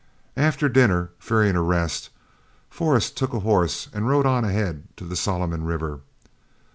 After dinner, fearing arrest, Forrest took a horse and rode on ahead to the Solomon River.